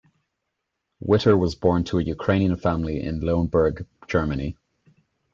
Witer was born to a Ukrainian family in Leonberg, Germany.